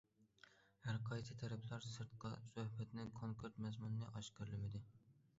ھەر قايسى تەرەپلەر سىرتقا سۆھبەتنىڭ كونكرېت مەزمۇنىنى ئاشكارىلىمىدى.